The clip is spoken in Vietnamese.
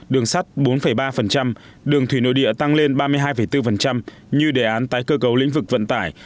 đường sắt bốn ba đường thủy nội địa tăng lên ba mươi hai bốn như đề án tái cơ cấu lĩnh vực vận tải